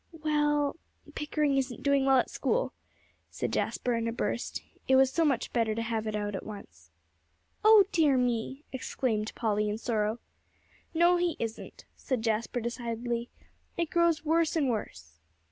"Well, Pickering isn't doing well at school," said Jasper, in a burst. It was so much better to have it out at once. "Oh dear me!" exclaimed Polly, in sorrow. "No, he isn't," said Jasper decidedly; "it grows worse and worse."